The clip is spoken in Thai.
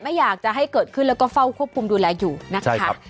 ไม่อยากจะให้เกิดขึ้นแล้วก็เฝ้าควบคุมดูแลอยู่นะคะ